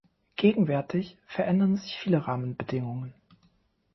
Gegenwärtig verändern sich viele Rahmenbedingungen.